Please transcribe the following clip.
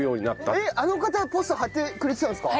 あの方がポスター貼ってくれてたんですか？